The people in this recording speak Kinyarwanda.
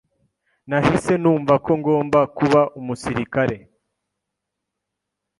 nahise numva ko ngomba kuba umusirikare